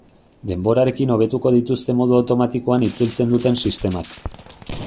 Denborarekin hobetuko dituzte modu automatikoan itzultzen duten sistemak.